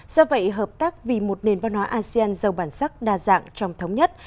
do vậy hợp tác vì một nền văn hóa asean dầu bản sắc đa dạng trong thống nhất